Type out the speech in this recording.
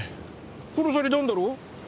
殺されたんだろう？